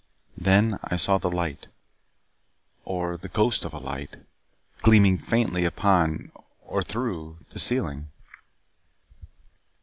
Then I saw the light or the ghost of a light gleaming faintly upon or through the ceiling.